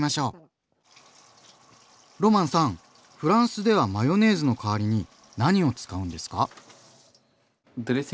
フランスではマヨネーズの代わりに何を使うんですか？